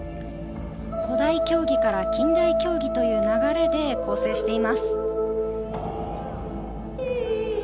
古代競技から近代競技という流れで構成しています。